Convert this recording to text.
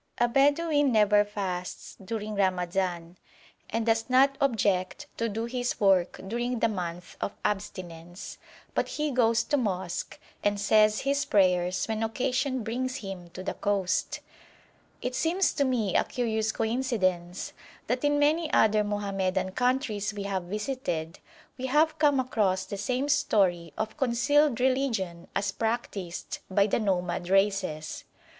A Bedouin never fasts during Ramazan, and does not object to do his work during the month of abstinence, but he goes to mosque and says his prayers when occasion brings him to the coast. It seems to me a curious coincidence that in many other Mohammedan countries we have visited we have come across the same story of concealed religion as practised by the nomad races.